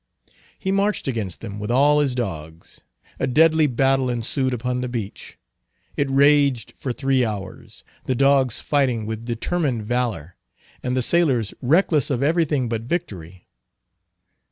He marched against them with all his dogs. A deadly battle ensued upon the beach. It raged for three hours, the dogs fighting with determined valor, and the sailors reckless of everything but victory.